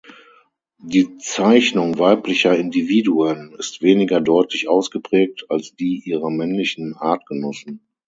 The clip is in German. Die Zeichnung weiblicher Individuen ist weniger deutlich ausgeprägt als die ihrer männlichen Artgenossen.